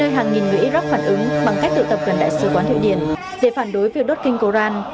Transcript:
nơi hàng nghìn người iraq phản ứng bằng cách tụ tập gần đại sứ quán thụy điển để phản đối việc đốt kinh koran